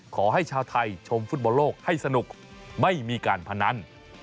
ขอให้ชาวไทยชมฟุตบอลโลกให้สนุกไม่มีการพนัน